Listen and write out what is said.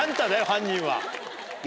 犯人は。